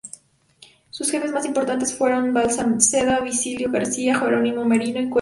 Sus jefes más importantes fueron Balmaseda, Basilio García, Jerónimo Merino y Cuevillas.